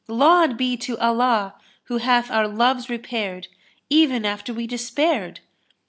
Laud be to Allah who hath our loves repaired, even after we despaired!"